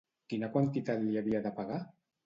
Quina quantitat li havia de pagar?